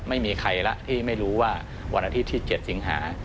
ไม่มีใครละที่ไม่รู้ว่าวันอาทิตย์ที่๗สิงหา